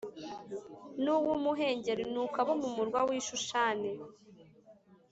n uw umuhengeri nuko abo mu murwa w i Shushani